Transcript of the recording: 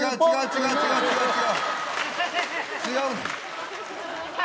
違う、違う、違う。